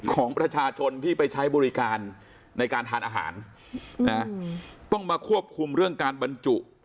ของประชาชนที่ไปใช้บริการในการทานอาหารนะต้องมาควบคุมเรื่องการบรรจุ